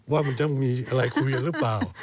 ว่ามันจะมีอะไรคุยกันหรือเปล่า